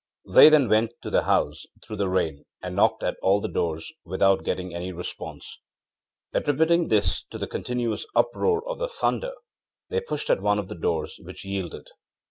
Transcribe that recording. They then went to the house, through the rain, and knocked at all the doors without getting any response. Attributing this to the continuous uproar of the thunder they pushed at one of the doors, which yielded.